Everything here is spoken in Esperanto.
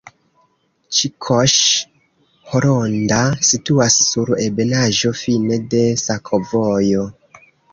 Ĉikoŝ-Horonda situas sur ebenaĵo fine de sakovojo.